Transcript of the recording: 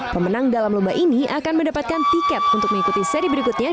pemenang dalam lomba ini akan mendapatkan tiket untuk mengikuti seri berikutnya